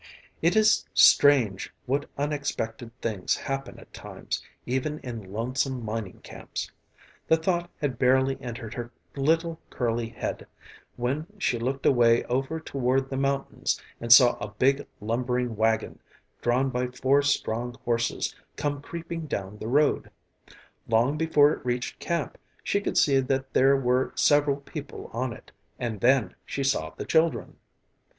It is strange what unexpected things happen at times, even in lonesome mining camps. The thought had barely entered her little curly head when she looked away over toward the mountains and saw a big, lumbering wagon, drawn by four strong horses, come creeping down the road. Long before it reached camp she could see that there were several people on it and then she saw the children.